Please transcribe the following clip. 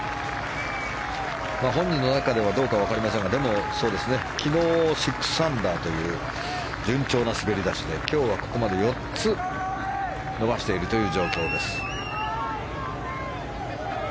本人の中ではどうか分かりませんが昨日、６アンダーという順調な滑り出しで今日はここまで４つ伸ばしているという状況です。